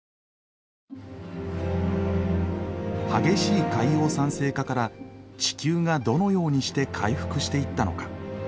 激しい海洋酸性化から地球がどのようにして回復していったのか。